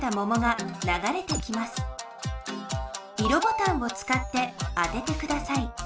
色ボタンをつかって当ててください。